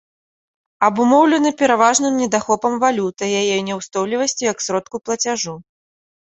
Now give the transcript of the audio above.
Абумоўлены пераважна недахопам валюты, яе няўстойлівасцю як сродку плацяжу.